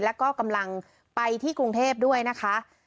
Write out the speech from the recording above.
แล้วก็กำลังไปที่กรุงเทพด้วยนะคะ